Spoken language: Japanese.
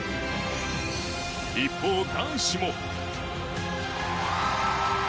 一方、男子も。